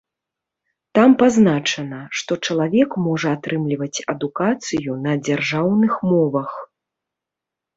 Там пазначана, што чалавек можа атрымліваць адукацыю на дзяржаўных мовах.